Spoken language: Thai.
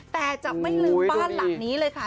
แต่จะไม่ลืมบ้านหลังนี้เลยค่ะ